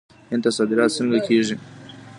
هند ته صادرات څنګه کیږي؟